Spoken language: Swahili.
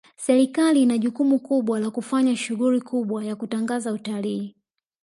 serikali ina jukumu kubwa la kufanya shughuli kubwa ya kutangaza utalii